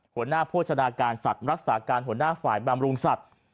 โฆษณาการสัตว์รักษาการหัวหน้าฝ่ายบำรุงสัตว์